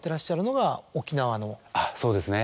そうですね。